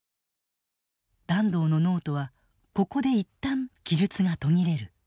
團藤のノートはここで一旦記述が途切れる。